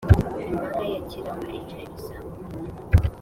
imbaga ya cyilima ica ibisambo mu nka.